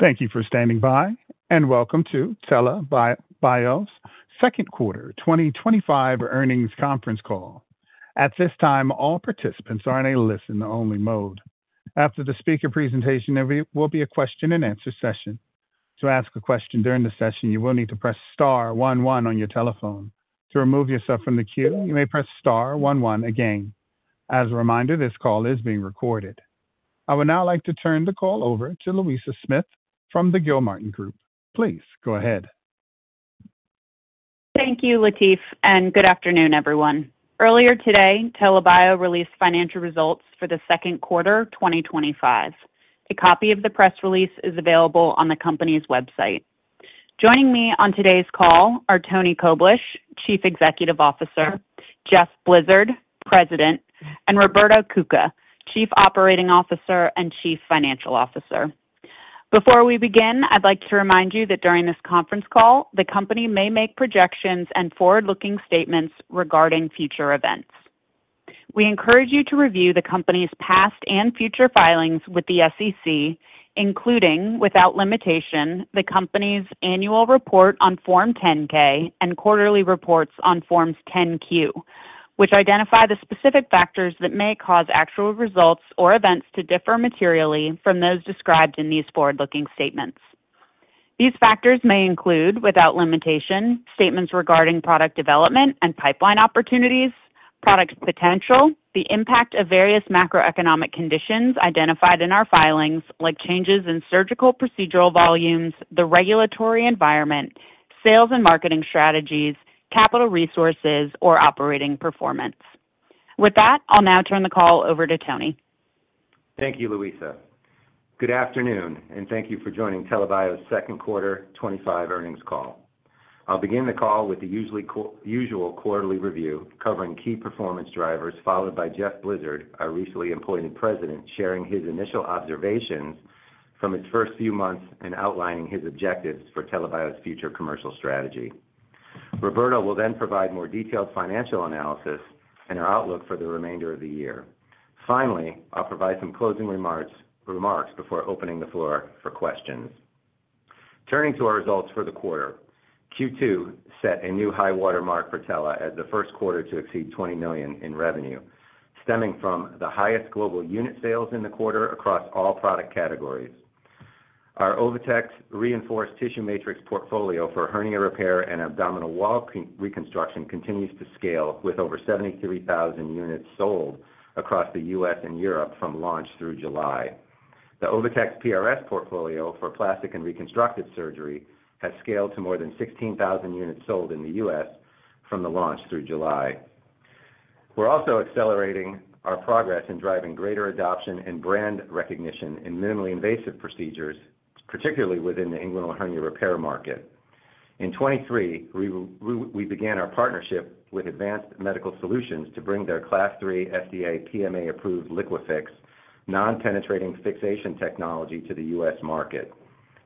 Thank you for standing by and welcome to TELA Bio's Second Quarter 2025 Earnings Conference Call. At this time, all participants are in a listen-only mode. After the speaker presentation, there will be a question and answer session. To ask a question during the session, you will need to press star one one on your telephone. To remove yourself from the queue, you may press star one one again. As a reminder, this call is being recorded. I would now like to turn the call over to Louisa Smith from the Gilmartin Group. Please go ahead. Thank you, Latif, and good afternoon, everyone. Earlier today, TELA Bio released financial results for the second quarter 2025. A copy of the press release is available on the company's website. Joining me on today's call are Antony Koblish, Chief Executive Officer; Jeff Blizard, President; and Roberto Cuca, Chief Operating Officer and Chief Financial Officer. Before we begin, I'd like to remind you that during this conference call, the company may make projections and forward-looking statements regarding future events. We encourage you to review the company's past and future filings with the SEC, including, without limitation, the company's annual report on Form 10-K and quarterly reports on Forms 10-Q, which identify the specific factors that may cause actual results or events to differ materially from those described in these forward-looking statements. These factors may include, without limitation, statements regarding product development and pipeline opportunities, product potential, the impact of various macroeconomic conditions identified in our filings, like changes in surgical procedural volumes, the regulatory environment, sales and marketing strategies, capital resources, or operating performance. With that, I'll now turn the call over to Tony. Thank you, Louisa. Good afternoon, and thank you for joining TELA Bio's Second Quarter 2025 Earnings Call. I'll begin the call with the usual quarterly review, covering key performance drivers, followed by Jeff Blizard, our recently appointed President, sharing his initial observations from his first few months and outlining his objectives for TELA Bio's future commercial strategy. Roberto will then provide more detailed financial analysis and our outlook for the remainder of the year. Finally, I'll provide some closing remarks before opening the floor for questions. Turning to our results for the quarter, Q2 set a new high-water mark for TELA Bio as the first quarter to exceed $20 million in revenue, stemming from the highest global unit sales in the quarter across all product categories. Our OviTex reinforced tissue matrix portfolio for hernia repair and abdominal wall reconstruction continues to scale with over 73,000 units sold across the U.S. and Europe from launch through July. The OviTex PRS portfolio for plastic and reconstructive surgery has scaled to more than 16,000 units sold in the U.S. from the launch through July. We're also accelerating our progress in driving greater adoption and brand recognition in minimally invasive procedures, particularly within the inguinal hernia repair market. In 2023, we began our partnership with Advanced Medical Solutions to bring their Class III FDA PMA-approved LIQUIFIX non-penetrating fixation technology to the U.S. market.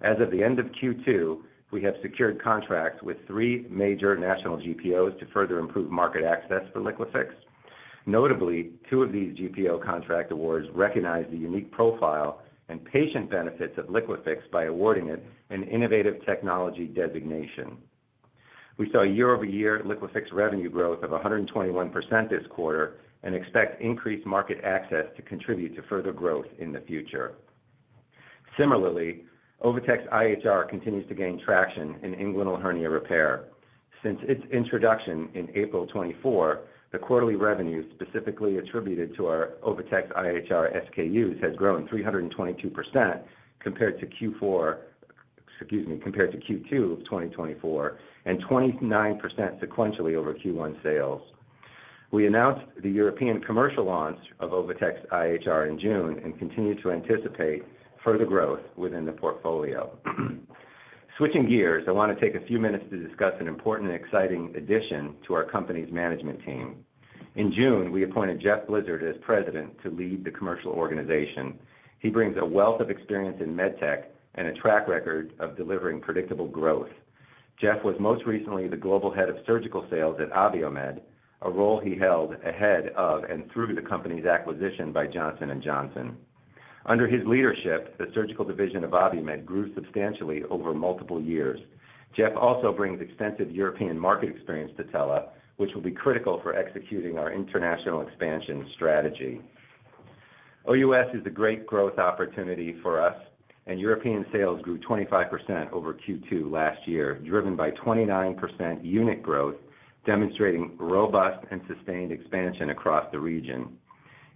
As of the end of Q2, we have secured contracts with three major national GPOs to further improve market access for LIQUIFX. Notably, two of these GPO contract awards recognize the unique profile and patient benefits of LIQUIFIX by awarding it an Innovative Technology designation. We saw year-over-year LIQUIFIX revenue growth of 121% this quarter and expect increased market access to contribute to further growth in the future. Similarly, OviTex IHR continues to gain traction in inguinal hernia repair. Since its introduction in April 2024, the quarterly revenues specifically attributed to our OviTex IHR SKUs had grown 322% compared to Q2 of 2024 and 29% sequentially over Q1 sales. We announced the European commercial launch of OviTex IHR in June and continue to anticipate further growth within the portfolio. Switching gears, I want to take a few minutes to discuss an important and exciting addition to our company's management team. In June, we appointed Jeff Blizard as President to lead the commercial organization. He brings a wealth of experience in medtech and a track record of delivering predictable growth. Jeff was most recently the global head of surgical sales at ABIOMED, a role he held ahead of and through the company's acquisition by Johnson & Johnson. Under his leadership, the surgical division of ABIOMED grew substantially over multiple years. Jeff also brings extensive European market experience to TELA, which will be critical for executing our international expansion strategy. OUS is a great growth opportunity for us, and European sales grew 25% over Q2 last year, driven by 29% unit growth, demonstrating robust and sustained expansion across the region.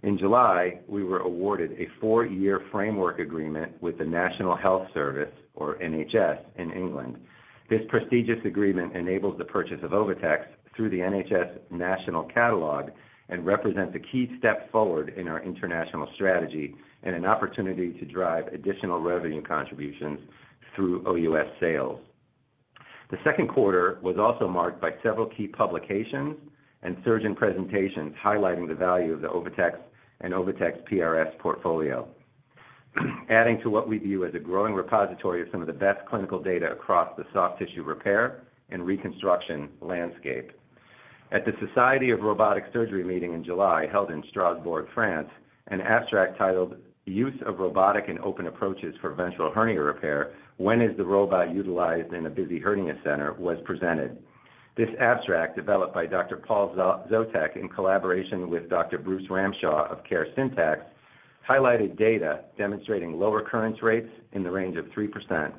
In July, we were awarded a four-year framework agreement with the National Health Service, or NHS, in England. This prestigious agreement enables the purchase of OviTex through the NHS National Catalog and represents a key step forward in our international strategy and an opportunity to drive additional revenue contributions through OUS sales. The second quarter was also marked by several key publications and surgeon presentations highlighting the value of the OviTex and OviTex PRS portfolio, adding to what we view as a growing repository of some of the best clinical data across the soft tissue repair and reconstruction landscape. At the Society of Robotic Surgery meeting in July held in Strasbourg, France, an abstract titled "Use of Robotic and Open Approaches for Ventral Hernia Repair: When is the Robot Utilized in a Busy Hernia Center" was presented. This abstract, developed by Dr. Paul Szotek in collaboration with Dr. Bruce Ramshaw of Care Syntax, highlighted data demonstrating low recurrence rates in the range of 3%,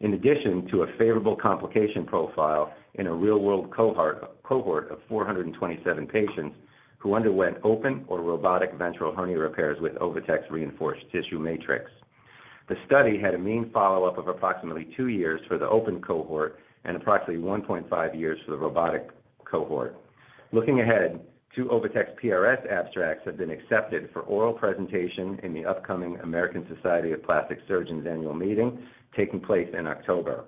in addition to a favorable complication profile in a real-world cohort of 427 patients who underwent open or robotic ventral hernia repairs with OviTex reinforced tissue matrix. The study had a mean follow-up of approximately two years for the open cohort and approximately 1.5 years for the robotic cohort. Looking ahead, two OviTex PRS abstracts have been accepted for oral presentation in the upcoming American Society of Plastic Surgeons annual meeting, taking place in October.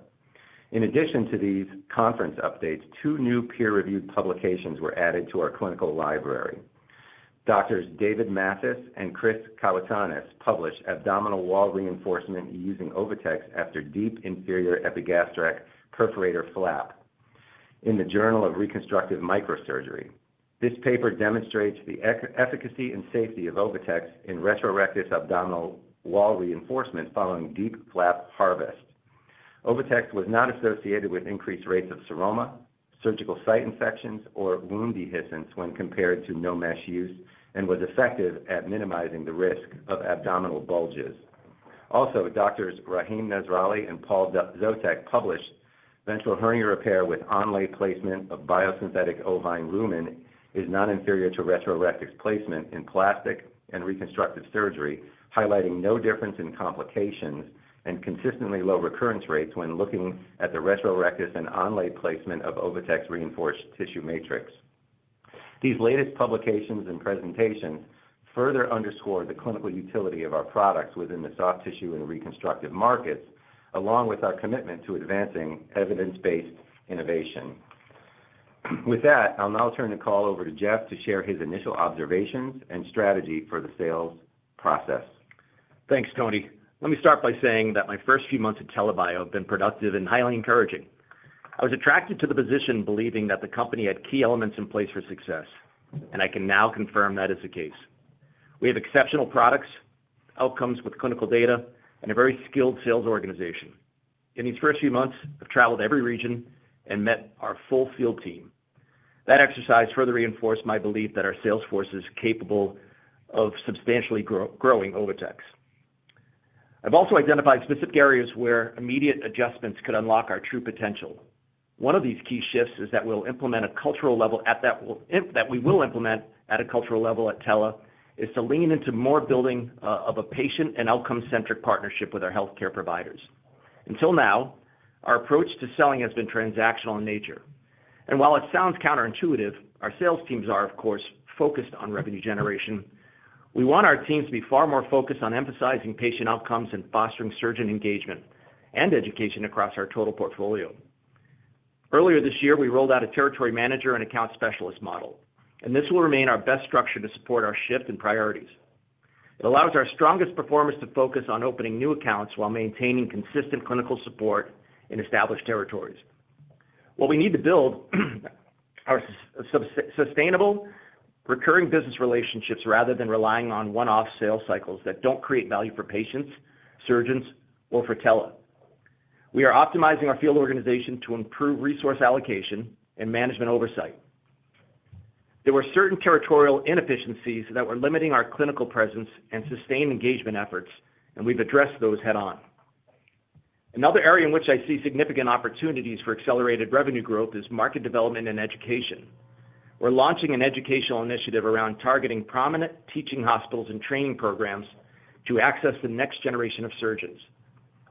In addition to these conference updates, two new peer-reviewed publications were added to our clinical library. Doctors David Mathis and Chris Kalantzis published "Abdominal Wall Reinforcement Using OviTex After Deep Inferior Epigastric Perforator Flap" in the Journal of Reconstructive Microsurgery. This paper demonstrates the efficacy and safety of OviTex in retrorectus abdominal wall reinforcement following deep flap harvest. OviTex was not associated with increased rates of seroma, surgical site infections, or wound dehiscence when compared to no mesh use and was effective at minimizing the risk of abdominal bulges. Also, Doctors Rahim Nazraleband Paul Szotek published "Ventral Hernia Repair with Onlay Placement of Biosynthetic Ovine Lumen is Not Inferior to Retrorectus Placement in Plastic and Reconstructive Surgery," highlighting no difference in complications and consistently low recurrence rates when looking at the retrorectus and onlay placement of OviTex reinforced tissue matrix. These latest publications and presentations further underscore the clinical utility of our products within the soft tissue and reconstructive markets, along with our commitment to advancing evidence-based innovation. With that, I'll now turn the call over to Jeff to share his initial observations and strategy for the sales process. Thanks, Tony. Let me start by saying that my first few months at TELA Bio have been productive and highly encouraging. I was attracted to the position, believing that the company had key elements in place for success, and I can now confirm that is the case. We have exceptional products, outcomes with clinical data, and a very skilled sales organization. In these first few months, I've traveled to every region and met our full field team. That exercise further reinforced my belief that our sales force is capable of substantially growing OviTex. I've also identified specific areas where immediate adjustments could unlock our true potential. One of these key shifts that we will implement at a cultural level at TELA is to lean into more building of a patient and outcome-centric partnership with our healthcare providers. Until now, our approach to selling has been transactional in nature, and while it sounds counterintuitive, our sales teams are, of course, focused on revenue generation. We want our teams to be far more focused on emphasizing patient outcomes and fostering surgeon engagement and education across our total portfolio. Earlier this year, we rolled out a territory manager and account specialist model, and this will remain our best structure to support our shift in priorities. It allows our strongest performers to focus on opening new accounts while maintaining consistent clinical support in established territories. What we need to build are sustainable, recurring business relationships rather than relying on one-off sales cycles that don't create value for patients, surgeons, or for TELA. We are optimizing our field organization to improve resource allocation and management oversight. There were certain territorial inefficiencies that were limiting our clinical presence and sustained engagement efforts, and we've addressed those head-on. Another area in which I see significant opportunities for accelerated revenue growth is market development and education. We're launching an educational initiative around targeting prominent teaching hospitals and training programs to access the next generation of surgeons.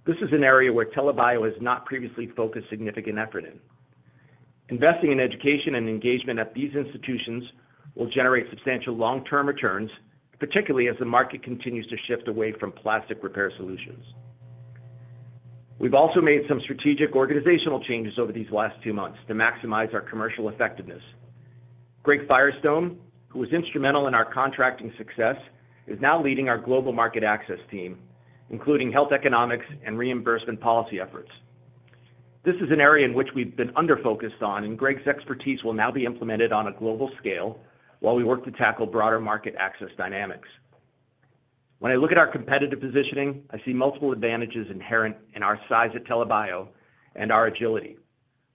This is an area where TELA Bio has not previously focused significant effort. Investing in education and engagement at these institutions will generate substantial long-term returns, particularly as the market continues to shift away from plastic repair solutions. We've also made some strategic organizational changes over these last two months to maximize our commercial effectiveness. Greg Firestone, who was instrumental in our contracting success, is now leading our global market access team, including Health Economics and Reimbursement Policy efforts. This is an area in which we've been under-focused, and Greg's expertise will now be implemented on a global scale while we work to tackle broader market access dynamics. When I look at our competitive positioning, I see multiple advantages inherent in our size at TELA Bio and our agility.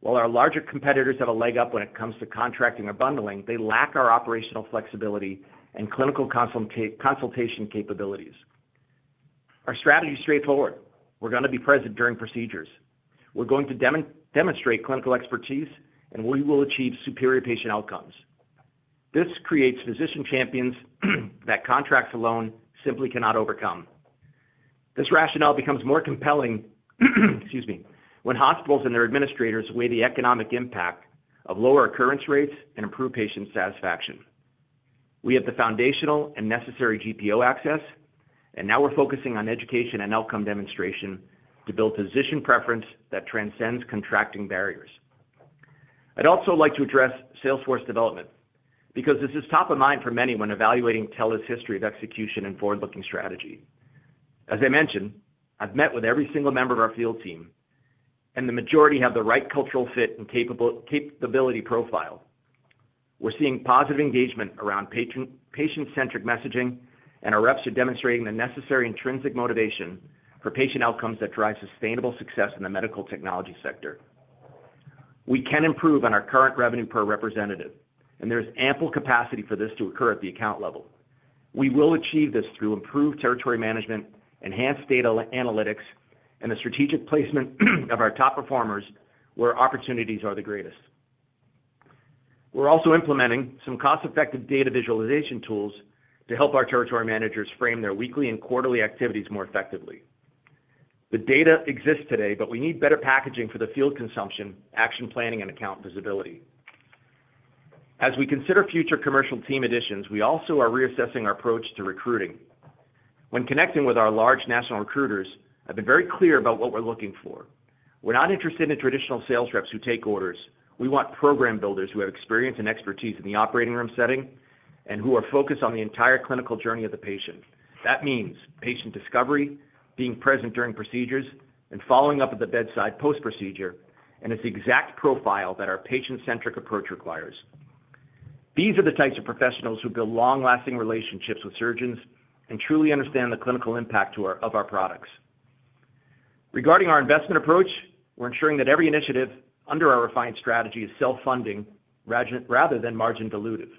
While our larger competitors have a leg up when it comes to contracting or bundling, they lack our operational flexibility and clinical consultation capabilities. Our strategy is straightforward. We're going to be present during procedures. We're going to demonstrate clinical expertise, and we will achieve superior patient outcomes. This creates physician champions that contracts alone simply cannot overcome. This rationale becomes more compelling when hospitals and their administrators weigh the economic impact of lower recurrence rates and improved patient satisfaction. We have the foundational and necessary GPO access, and now we're focusing on education and outcome demonstration to build physician preference that transcends contracting barriers. I'd also like to address Salesforce development because this is top of mind for many when evaluating TELA's history of execution and forward-looking strategy. As I mentioned, I've met with every single member of our field team, and the majority have the right cultural fit and capability profile. We're seeing positive engagement around patient-centric messaging, and our reps are demonstrating the necessary intrinsic motivation for patient outcomes that drive sustainable success in the medical technology sector. We can improve on our current revenue per representative, and there's ample capacity for this to occur at the account level. We will achieve this through improved territory management, enhanced data analytics, and the strategic placement of our top performers where opportunities are the greatest. We're also implementing some cost-effective data visualization tools to help our Territory Managers frame their weekly and quarterly activities more effectively. The data exists today, but we need better packaging for the field consumption, action planning, and account visibility. As we consider future commercial team additions, we also are reassessing our approach to recruiting. When connecting with our large national recruiters, I've been very clear about what we're looking for. We're not interested in traditional sales reps who take orders. We want program builders who have experience and expertise in the operating room setting and who are focused on the entire clinical journey of the patient. That means patient discovery, being present during procedures, and following up at the bedside post-procedure, and it's the exact profile that our patient-centric approach requires. These are the types of professionals who build long-lasting relationships with surgeons and truly understand the clinical impact of our products. Regarding our investment approach, we're ensuring that every initiative under our refined strategy is self-funding rather than margin-dilutive.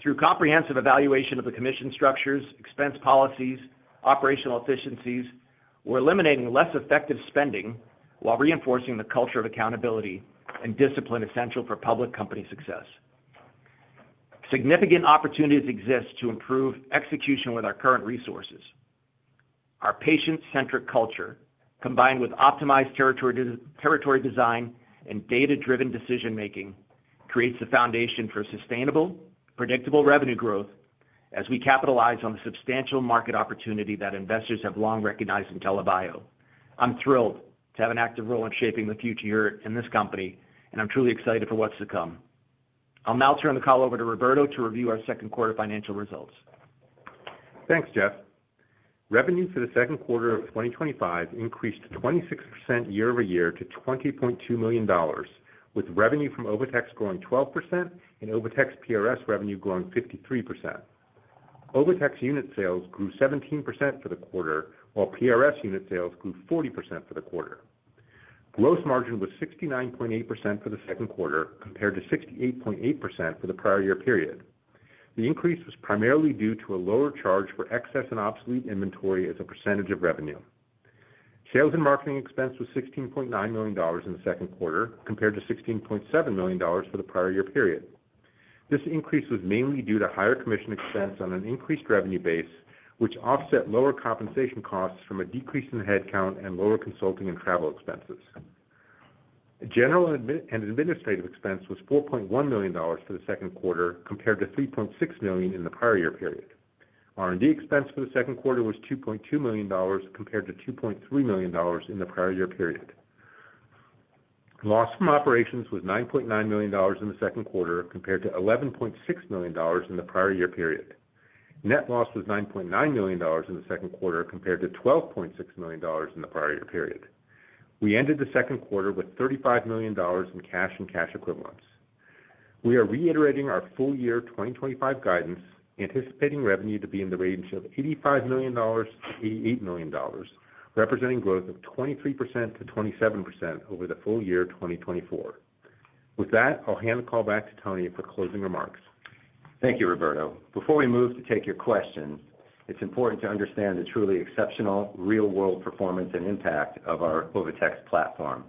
Through comprehensive evaluation of the commission structures, expense policies, and operational efficiencies, we're eliminating less effective spending while reinforcing the culture of accountability and discipline essential for public company success. Significant opportunities exist to improve execution with our current resources. Our patient-centric culture, combined with optimized territory design and data-driven decision-making, creates the foundation for sustainable, predictable revenue growth as we capitalize on the substantial market opportunity that investors have long recognized in TELA Bio. I'm thrilled to have an active role in shaping the future here in this company, and I'm truly excited for what's to come. I'll now turn the call over to Roberto to review our second quarter financial results. Thanks, Jeff. Revenue for the second quarter of 2025 increased 26% year-over-year to $20.2 million, with revenue from OviTex growing 12% and OviTex PRS revenue growing 53%. OviTex unit sales grew 17% for the quarter, while PRS unit sales grew 40% for the quarter. Gross margin was 69.8% for the second quarter compared to 68.8% for the prior year period. The increase was primarily due to a lower charge for excess and obsolete inventory as a percentage of revenue. Sales and marketing expense was $16.9 million in the second quarter compared to $16.7 million for the prior year period. This increase was mainly due to higher commission expense on an increased revenue base, which offset lower compensation costs from a decrease in headcount and lower consulting and travel expenses. General and administrative expense was $4.1 million for the second quarter compared to $3.6 million in the prior year period. R&D expense for the second quarter was $2.2 million compared to $2.3 million in the prior year period. Loss from operations was $9.9 million in the second quarter compared to $11.6 million in the prior year period. Net loss was $9.9 million in the second quarter compared to $12.6 million in the prior year period. We ended the second quarter with $35 million in cash and cash equivalents. We are reiterating our full year 2025 guidance, anticipating revenue to be in the range of $85 million-$88 million, representing growth of 23%-27% over the full year 2024. With that, I'll hand the call back to Tony for closing remarks. Thank you, Roberto. Before we move to take your question, it's important to understand the truly exceptional real-world performance and impact of our OviTex platform.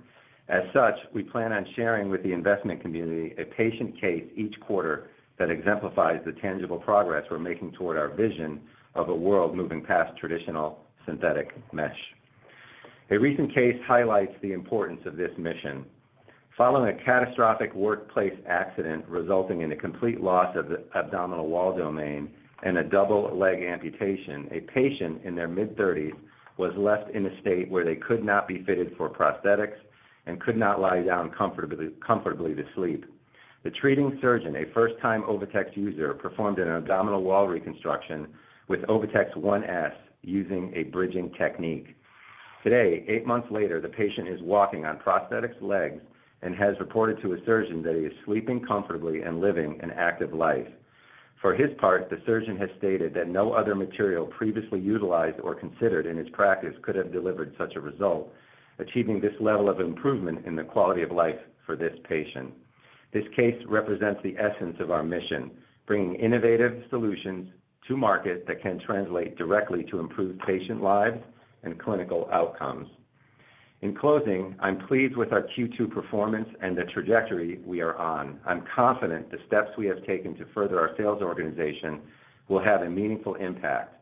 As such, we plan on sharing with the investment community a patient case each quarter that exemplifies the tangible progress we're making toward our vision of a world moving past traditional synthetic mesh. A recent case highlights the importance of this mission. Following a catastrophic workplace accident resulting in a complete loss of the abdominal wall domain and a double leg amputation, a patient in their mid-30s was left in a state where they could not be fitted for prosthetics and could not lie down comfortably to sleep. The treating surgeon, a first-time OviTex user, performed an abdominal wall reconstruction with OviTex 1S using a bridging technique. Today, eight months later, the patient is walking on prosthetic legs and has reported to a surgeon that he is sleeping comfortably and living an active life. For his part, the surgeon has stated that no other material previously utilized or considered in his practice could have delivered such a result, achieving this level of improvement in the quality of life for this patient. This case represents the essence of our mission, bringing innovative solutions to market that can translate directly to improved patient lives and clinical outcomes. In closing, I'm pleased with our Q2 performance and the trajectory we are on. I'm confident the steps we have taken to further our sales organization will have a meaningful impact.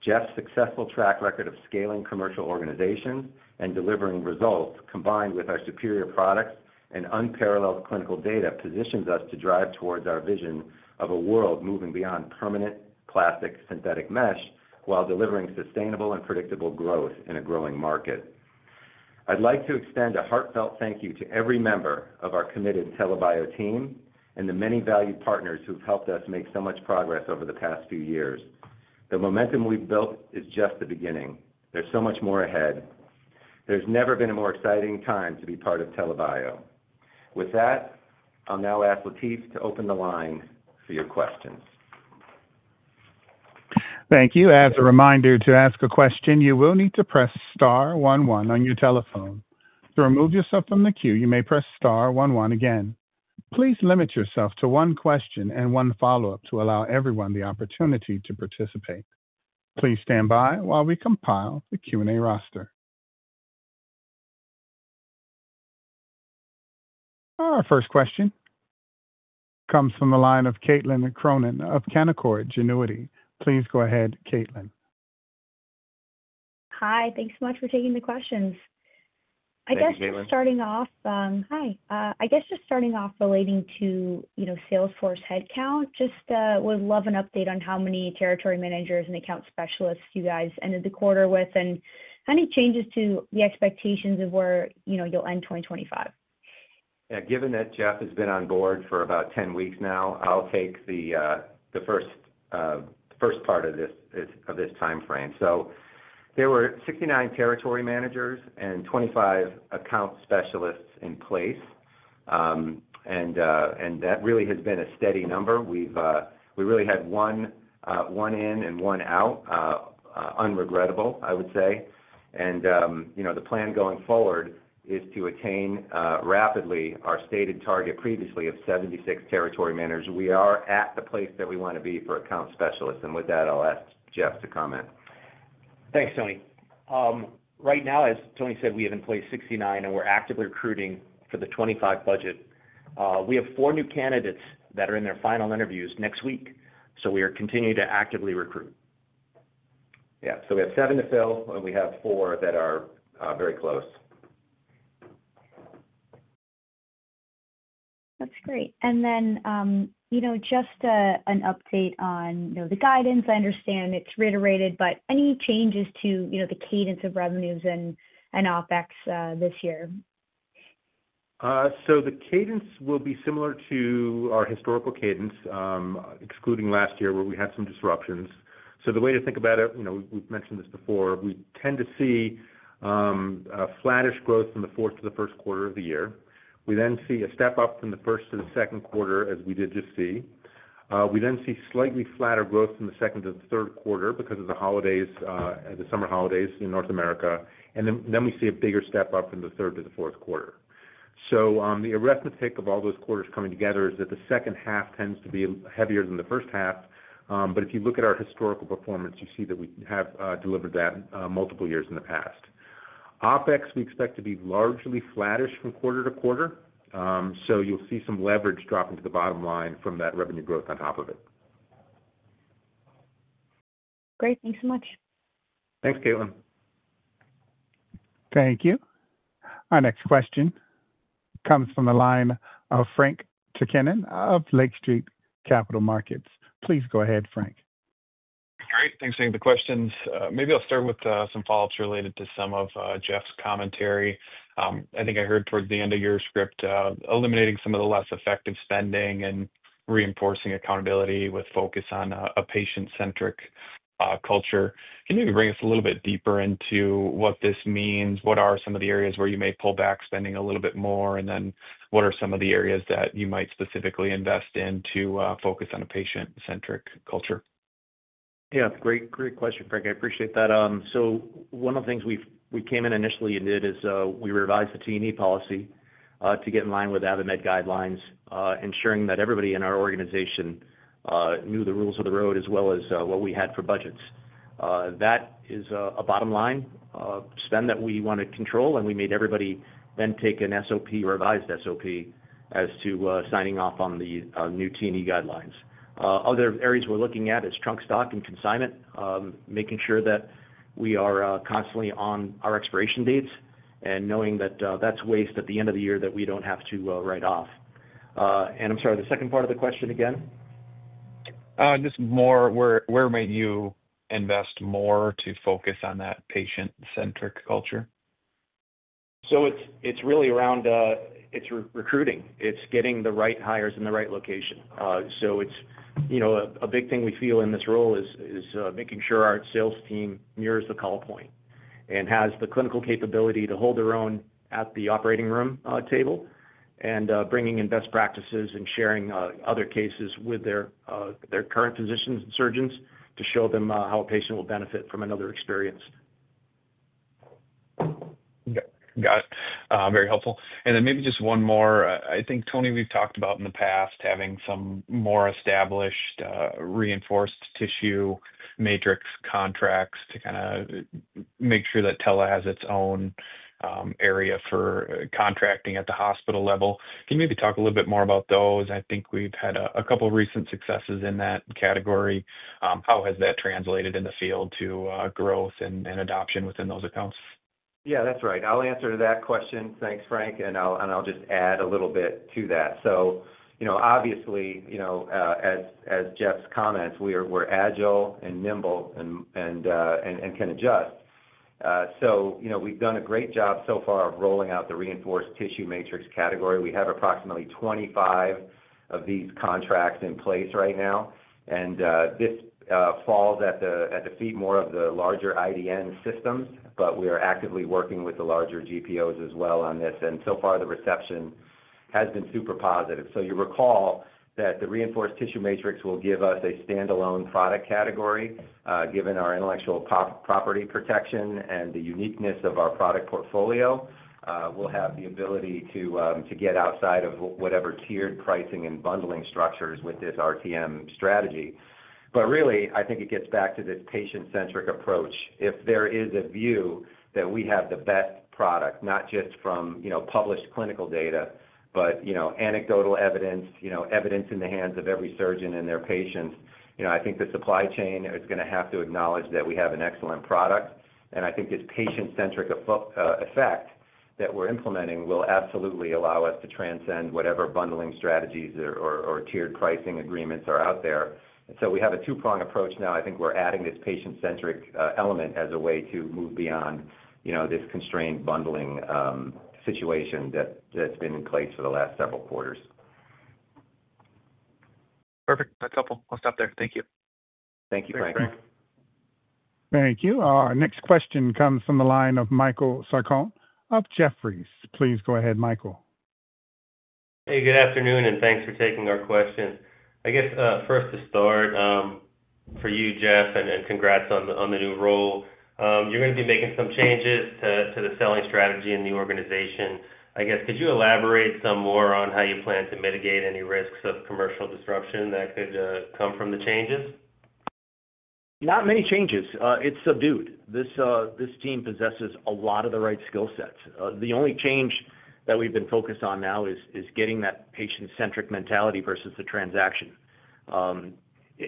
Jeff's successful track record of scaling commercial organizations and delivering results combined with our superior products and unparalleled clinical data positions us to drive towards our vision of a world moving beyond permanent plastic synthetic mesh while delivering sustainable and predictable growth in a growing market. I'd like to extend a heartfelt thank you to every member of our committed TELA Bio team and the many valued partners who've helped us make so much progress over the past few years. The momentum we've built is just the beginning. There's so much more ahead. There's never been a more exciting time to be part of TELA Bio. With that, I'll now ask Latif to open the line for your question. Thank you. As a reminder, to ask a question, you will need to press star one one on your telephone. To remove yourself from the queue, you may press star one one again. Please limit yourself to one question and one follow-up to allow everyone the opportunity to participate. Please stand by while we compile the Q&A roster. Our first question comes from the line of Caitlin Cronin of Canaccord Genuity Corp. Please go ahead, Caitlin. Hi, thanks so much for taking the questions. Hi, Kaitlin. Hi. Just starting off relating to, you know, Salesforce headcount, just would love an update on how many territory managers and account specialists you guys ended the quarter with and any changes to the expectations of where, you know, you'll end 2025. Given that Jeff has been on board for about 10 weeks now, I'll take the first part of this timeframe. There were 69 territory managers and 25 account specialists in place, and that really has been a steady number. We've really had one in and one out, unregrettable, I would say. The plan going forward is to attain rapidly our stated target previously of 76 territory managers. We are at the place that we want to be for account specialists, and with that, I'll ask Jeff to comment. Thanks, Tony. Right now, as Tony said, we have in place 69, and we're actively recruiting for the 2025 budget. We have four new candidates that are in their final interviews next week, so we are continuing to actively recruit. Yeah, we have seven to fill, and we have four that are very close. That's great. Just an update on the guidance. I understand it's reiterated, but any changes to the cadence of revenues and OpEx this year? The cadence will be similar to our historical cadence, excluding last year where we had some disruptions. The way to think about it, you know, we've mentioned this before, we tend to see flat-ish growth from the fourth to the first quarter of the year. We then see a step up from the first to the second quarter, as we did just see. We then see slightly flatter growth from the second to the third quarter because of the holidays, the summer holidays in North America, and then we see a bigger step up from the third to the fourth quarter. The arithmetic of all those quarters coming together is that the second half tends to be heavier than the first half, but if you look at our historical performance, you see that we have delivered that multiple years in the past. OpEx, we expect to be largely flat-ish from quarter to quarter, so you'll see some leverage dropping to the bottom line from that revenue growth on top of it. Great, thanks so much. Thanks, Caitlin. Thank you. Our next question comes from the line of Frank Takkinen of Lake Street Capital Markets. Please go ahead, Frank. All right, thanks for taking the questions. Maybe I'll start with some follow-ups related to some of Jeff's commentary. I think I heard toward the end of your script eliminating some of the less effective spending and reinforcing accountability with focus on a patient-centric culture. Can you maybe bring us a little bit deeper into what this means? What are some of the areas where you may pull back spending a little bit more, and then what are some of the areas that you might specifically invest in to focus on a patient-centric culture? Yeah, great, great question, Frank. I appreciate that. One of the things we came in initially and did is we revised the T&E policy to get in line with ABIOMED guidelines, ensuring that everybody in our organization knew the rules of the road as well as what we had for budgets. That is a bottom line spend that we wanted to control, and we made everybody then take an SOP or a revised SOP as to signing off on the new T&E guidelines. Other areas we're looking at are trunk stock and consignment, making sure that we are constantly on our expiration dates and knowing that that's waste at the end of the year that we don't have to write off. I'm sorry, the second part of the question again? Where might you invest more to focus on that patient-centric culture? It's really around recruiting. It's getting the right hires in the right location. A big thing we feel in this role is making sure our sales team mirrors the call point and has the clinical capability to hold their own at the operating room table, bringing in best practices and sharing other cases with their current physicians and surgeons to show them how a patient will benefit from another experience. Got it. Very helpful. Maybe just one more. I think, Tony, we've talked about in the past having some more established reinforced tissue matrix contracts to kind of make sure that TELA Bio has its own area for contracting at the hospital level. Can you maybe talk a little bit more about those? I think we've had a couple of recent successes in that category. How has that translated in the field to growth and adoption within those accounts? Yeah, that's right. I'll answer to that question. Thanks, Frank. I'll just add a little bit to that. Obviously, as Jeff's comments, we're agile and nimble and can adjust. We've done a great job so far of rolling out the reinforced tissue matrix category. We have approximately 25 of these contracts in place right now, and this falls at the feet more of the larger IDN systems. We are actively working with the larger GPOs as well on this. So far, the reception has been super positive. You recall that the reinforced tissue matrix will give us a standalone product category, given our intellectual property protection and the uniqueness of our product portfolio. We'll have the ability to get outside of whatever tiered pricing and bundling structures with this RTM strategy. I think it gets back to this patient-centric approach. If there is a view that we have the best product, not just from published clinical data, but anecdotal evidence, evidence in the hands of every surgeon and their patients, I think the supply chain is going to have to acknowledge that we have an excellent product. I think this patient-centric effect that we're implementing will absolutely allow us to transcend whatever bundling strategies or tiered pricing agreements are out there. We have a two-prong approach now. I think we're adding this patient-centric element as a way to move beyond this constrained bundling situation that's been in place for the last several quarters. Perfect. That's helpful. I'll stop there. Thank you. Thank you, Frank. Thanks, Frank. Thank you. Our next question comes from the line of Michael Sarcone of Jefferies LLC. Please go ahead, Michael. Hey, good afternoon, and thanks for taking our question. I guess first to start, for you, Jeff, and congrats on the new role, you're going to be making some changes to the selling strategy in the organization. Could you elaborate some more on how you plan to mitigate any risks of commercial disruption that could come from the changes? Not many changes. It's subdued. This team possesses a lot of the right skill sets. The only change that we've been focused on now is getting that patient-centric mentality versus the transaction.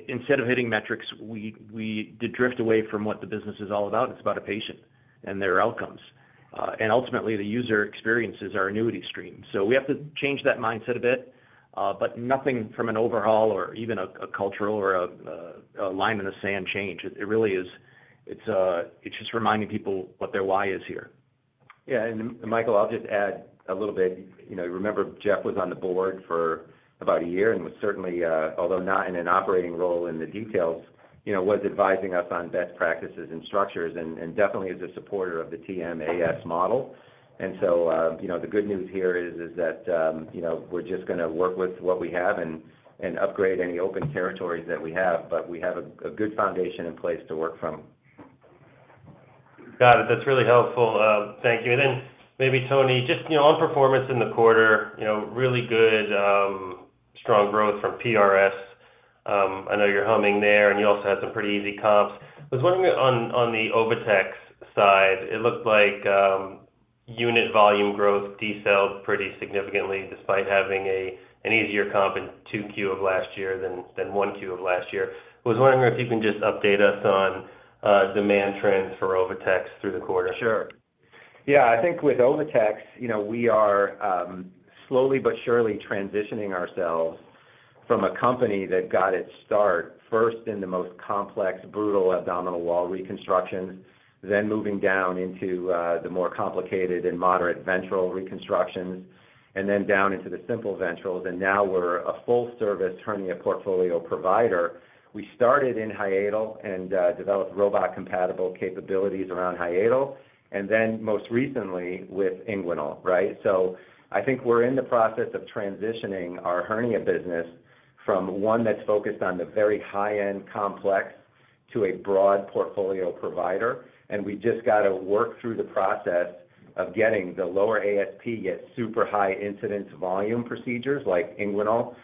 Instead of hitting metrics, we did drift away from what the business is all about. It's about a patient and their outcomes. Ultimately, the user experience is our annuity stream. We have to change that mindset a bit, but nothing from an overhaul or even a cultural or a line in the sand change. It really is, it's just reminding people what their why is here. Yeah, and Michael, I'll just add a little bit. You remember Jeff was on the board for about a year and was certainly, although not in an operating role in the details, advising us on best practices and structures and definitely is a supporter of the TMAS model. The good news here is that we're just going to work with what we have and upgrade any open territories that we have, but we have a good foundation in place to work from. Got it. That's really helpful. Thank you. Maybe, Tony, just on performance in the quarter, really good, strong growth from OviTex PRS. I know you're humming there, and you also had some pretty easy comps. I was wondering on the OviTex side, it looked like unit volume growth decelerated pretty significantly despite having an easier comp in 2Q of last year than 1Q of last year. I was wondering if you can just update us on demand trends for OviTex through the quarter. Sure. Yeah, I think with OviTex, we are slowly but surely transitioning ourselves from a company that got its start first in the most complex, brutal abdominal wall reconstructions, then moving down into the more complicated and moderate ventral reconstructions, and then down into the simple ventrals. Now we're a full-service hernia portfolio provider. We started in hiatal and developed robot-compatible capabilities around hiatal, and then most recently with inguinal, right? I think we're in the process of transitioning our hernia business from one that's focused on the very high-end complex to a broad portfolio provider. We just got to work through the process of getting the lower ASP, yet super high incidence volume procedures like inguinal,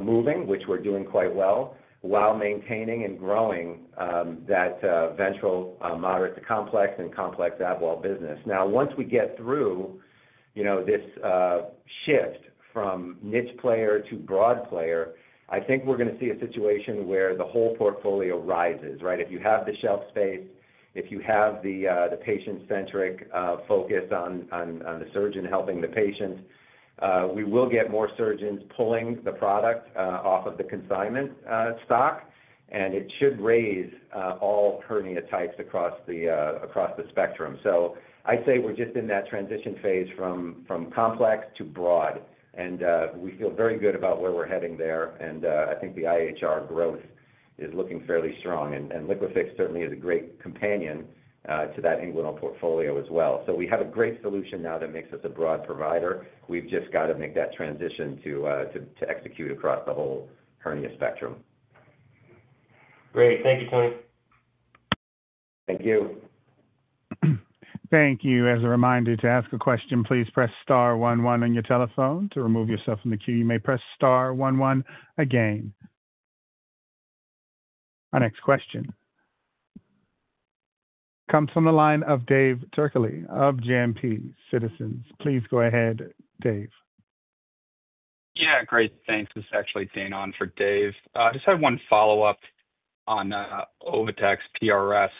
moving, which we're doing quite well, while maintaining and growing that ventral moderate to complex and complex abdominal wall business. Once we get through this shift from niche player to broad player, I think we're going to see a situation where the whole portfolio rises, right? If you have the shelf space, if you have the patient-centric focus on the surgeon helping the patient, we will get more surgeons pulling the product off of the consignment stock, and it should raise all hernia types across the spectrum. I'd say we're just in that transition phase from complex to broad, and we feel very good about where we're heading there. I think the IHR growth is looking fairly strong, and LIQUIFIX certainly is a great companion to that inguinal portfolio as well. We have a great solution now that makes us a broad provider. We've just got to make that transition to execute across the whole hernia spectrum. Great. Thank you, Tony. Thank you. Thank you. As a reminder, to ask a question, please press star one one on your telephone. To remove yourself from the queue, you may press star one one again. Our next question comes from the line of Dave Turckally of JMP Citizens. Please go ahead, Dave. Yeah, great. Thanks. This is actually Daniel for Dave. I just have one follow-up on OviTex PRS.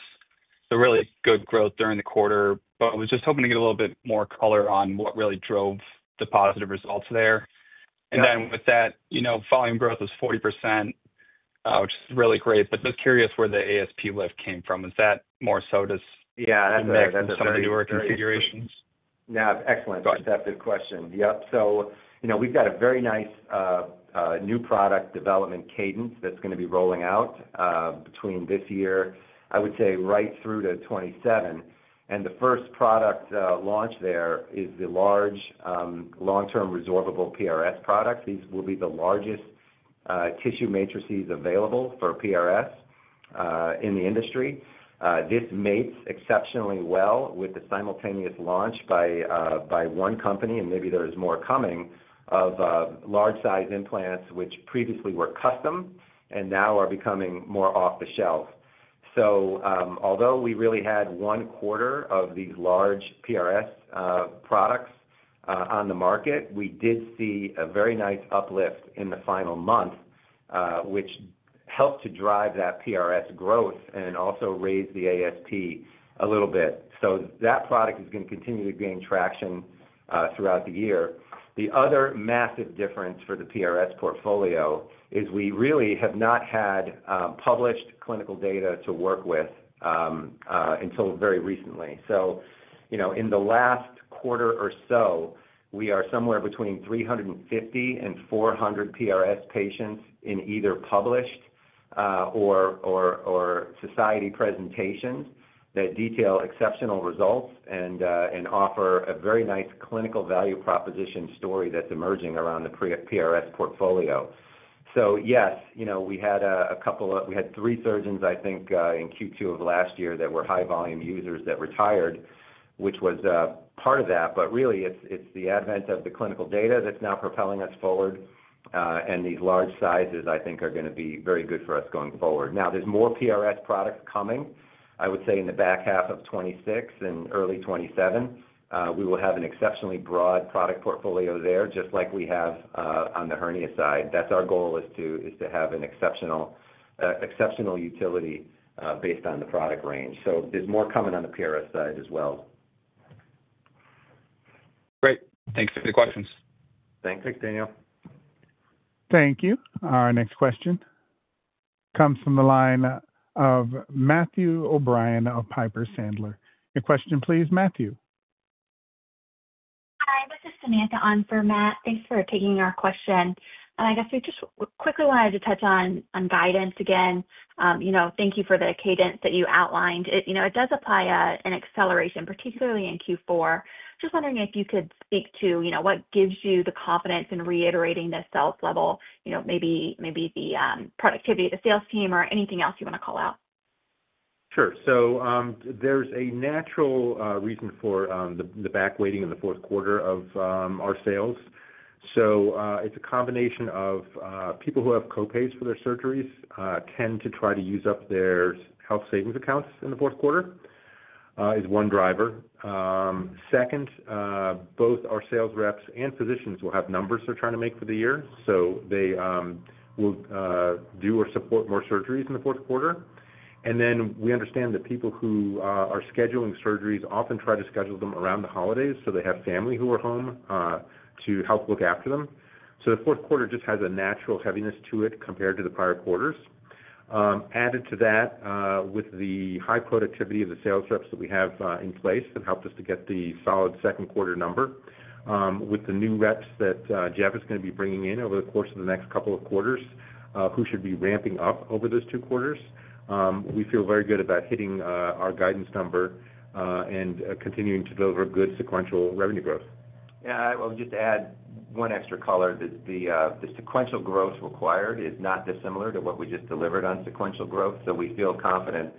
Really good growth during the quarter, but I was just hoping to get a little bit more color on what really drove the positive results there. With that, you know, volume growth was 40%, which is really great. I was curious where the ASP lift came from. Was that more so just. Yeah, that's a mix of. Somebody who worked in configurations? Yeah, excellent. Go ahead. That's a good question. Yep. We've got a very nice new product development cadence that's going to be rolling out between this year, I would say, right through to 2027. The first product launched there is the large long-term resorbable PRS product. These will be the largest tissue matrices available for PRS in the industry. This mates exceptionally well with the simultaneous launch by one company, and maybe there's more coming, of large-size implants, which previously were custom and now are becoming more off-the-shelf. Although we really had one quarter of these large PRS products on the market, we did see a very nice uplift in the final month, which helped to drive that PRS growth and also raised the ASP a little bit. That product is going to continue to gain traction throughout the year. The other massive difference for the PRS portfolio is we really have not had published clinical data to work with until very recently. In the last quarter or so, we are somewhere between 350 and 400 PRS patients in either published or society presentations that detail exceptional results and offer a very nice clinical value proposition story that's emerging around the PRS portfolio. Yes, we had a couple of, we had three surgeons, I think, in Q2 of last year that were high-volume users that retired, which was part of that. Really, it's the advent of the clinical data that's now propelling us forward, and these large sizes, I think, are going to be very good for us going forward. There's more PRS products coming, I would say, in the back half of 2026 and early 2027. We will have an exceptionally broad product portfolio there, just like we have on the hernia side. That's our goal, to have an exceptional utility based on the product range. There's more coming on the PRS side as well. Great. Thanks for the questions. Thanks. Thanks, Daniel. Thank you. Our next question comes from the line of Matthew O'Brien of Piper Sandler. Your question, please, Matthew? Hi, this is Samantha on for Matt. Thanks for taking our question. We just quickly wanted to touch on guidance again. Thank you for the cadence that you outlined. It does apply an acceleration, particularly in Q4. Just wondering if you could speak to what gives you the confidence in reiterating the sales level, maybe the productivity of the sales team or anything else you want to call out? Sure. There is a natural reason for the back weighting in the fourth quarter of our sales. It is a combination of people who have co-pays for their surgeries tending to try to use up their health savings accounts in the fourth quarter, which is one driver. Second, both our sales reps and physicians will have numbers they are trying to make for the year, so they will do or support more surgeries in the fourth quarter. We understand that people who are scheduling surgeries often try to schedule them around the holidays so they have family who are home to help look after them. The fourth quarter just has a natural heaviness to it compared to the prior quarters. Added to that, with the high productivity of the sales reps that we have in place, which helped us to get the solid second quarter number, with the new reps that Jeff is going to be bringing in over the course of the next couple of quarters who should be ramping up over those two quarters, we feel very good about hitting our guidance number and continuing to deliver good sequential revenue growth. Yeah, I'll just add one extra color that the sequential growth required is not dissimilar to what we just delivered on sequential growth, so we feel confident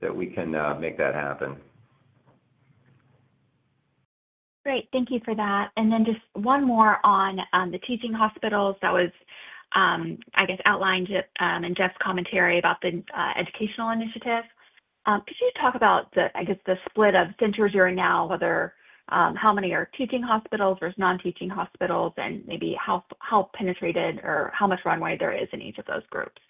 that we can make that happen. Great. Thank you for that. Just one more on the teaching hospitals that was outlined in Jeff's commentary about the educational initiative. Could you talk about the split of centers you're in now, whether how many are teaching hospitals versus non-teaching hospitals, and maybe how penetrated or how much runway there is in each of those groups?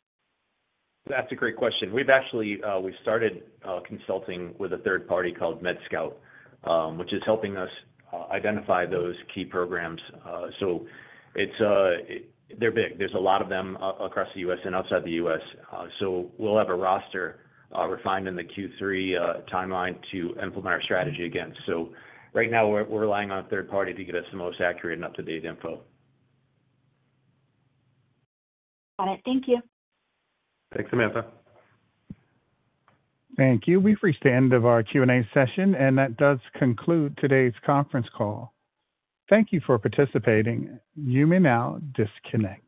That's a great question. We actually started consulting with a third party called MedScout, which is helping us identify those key programs. They're big. There's a lot of them across the U.S. and outside the U.S. We'll have a roster refined in the Q3 timeline to implement our strategy against. Right now, we're relying on a third party to get us the most accurate and up-to-date info. Got it. Thank you. Thanks, Samantha. Thank you. We've reached the end of our Q&A session, and that does conclude today's conference call. Thank you for participating. You may now disconnect.